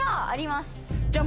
じゃあ。